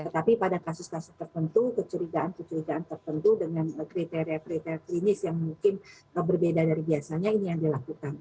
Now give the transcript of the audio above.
tetapi pada kasus kasus tertentu kecurigaan kecurigaan tertentu dengan kriteria kriteria klinis yang mungkin berbeda dari biasanya ini yang dilakukan